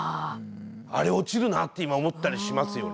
あれ落ちるなって今思ったりしますよね。